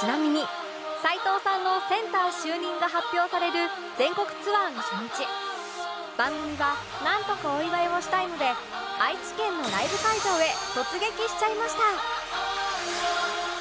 ちなみに齊藤さんのセンター就任が発表される全国ツアーの初日番組はなんとかお祝いをしたいので愛知県のライブ会場へ突撃しちゃいました